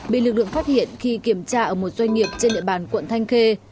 bị lực lượng phát hiện khi kiểm tra ở một doanh nghiệp trên địa bàn quận thanh khê